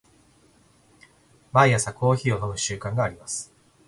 毎朝コーヒーを飲む習慣があります。